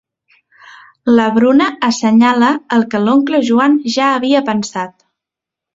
La Bruna assenyala el que l'oncle Joan ja havia pensat.